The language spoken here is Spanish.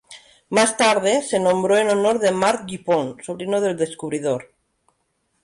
Más tarde, se nombró en honor de Marc Dupont, sobrino del descubridor.